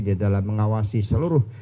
dalam mengawasi seluruh